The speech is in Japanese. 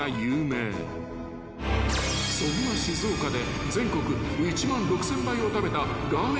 ［そんな静岡で］